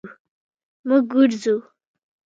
مونږ ګرځو